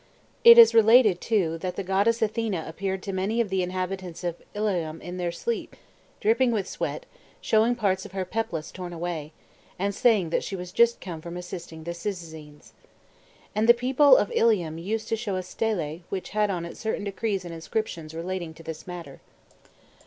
It is related, too, that the goddess Athena appeared to many of the inhabitants of Ilium in their sleep, dripping with sweat, showing part of her peplus torn away, and saying that she was just come from assisting the Cyzicenes. And the people of [lium used to show a stelé which had on it certain decrees and inscriptions relating to this matter.